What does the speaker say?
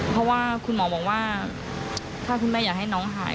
เพราะว่าคุณหมอบอกว่าถ้าคุณแม่อยากให้น้องหาย